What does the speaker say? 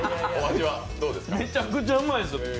めちゃくちゃうまいです。